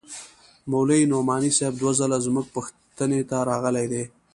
مولوي نعماني صاحب دوه ځله زموږ پوښتنې ته راغلى دى.